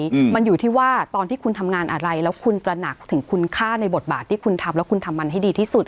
อืมมันอยู่ที่ว่าตอนที่คุณทำงานอะไรแล้วคุณตระหนักถึงคุณค่าในบทบาทที่คุณทำแล้วคุณทำมันให้ดีที่สุด